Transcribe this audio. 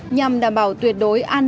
nhằm đảm bảo tuyệt đối